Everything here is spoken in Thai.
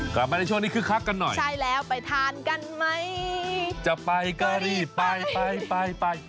กลับมาในช่วงนี้คึกคักกันหน่อยใช่แล้วไปทานกันไหมจะไปก็รีบไปไปไปไป